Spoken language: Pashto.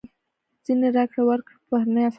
ځینې راکړې ورکړې په بهرنیو اسعارو کېږي.